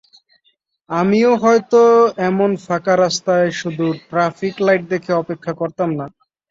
আমিও হয়তো এমন ফাঁকা রাস্তায় শুধু ট্রাফিক লাইট দেখে অপেক্ষা করতাম না।